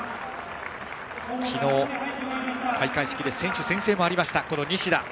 昨日、開会式で選手宣誓もあったこの西田。